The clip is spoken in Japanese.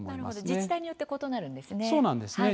自治体によって異なるんですね。